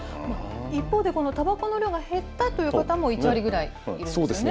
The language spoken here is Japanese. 一方で、たばこの量が減ったという方も、１割ぐらいいらっしゃるんですよね。